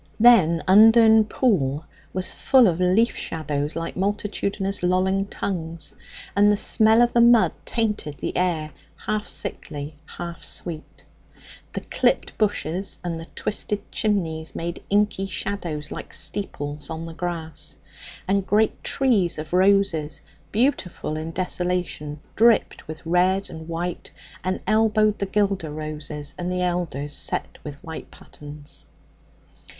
Then Undern Pool was full of leaf shadows like multitudinous lolling tongues, and the smell of the mud tainted the air half sickly, half sweet. The clipped bushes and the twisted chimneys made inky shadows like steeples on the grass, and great trees of roses, beautiful in desolation, dripped with red and white and elbowed the guelder roses and the elders set with white patens.